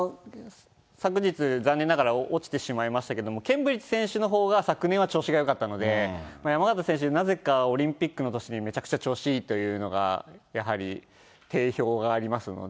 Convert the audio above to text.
昨日、残念ながら落ちてしまいましたけれども、ケンブリッジ選手のほうが昨年は調子のほうがよかったので、山縣選手、なぜかオリンピックの年にめちゃくちゃ調子いいというのが、やはり定評がありますので。